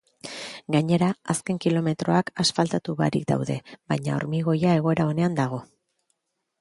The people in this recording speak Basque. Gainera, azken kilometroak asfaltatu barik daude, baina hormigoia egoera onean dago.